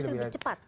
harusnya lebih cepat